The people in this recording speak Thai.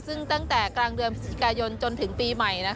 ซึ่งตั้งแต่กลางเดือนพฤศจิกายนจนถึงปีใหม่